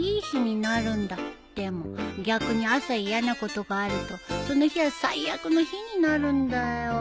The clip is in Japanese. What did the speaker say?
でも逆に朝嫌なことがあるとその日は最悪の日になるんだよ。